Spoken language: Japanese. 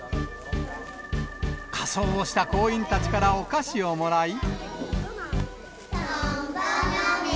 仮装をした行員たちからお菓子をもらい。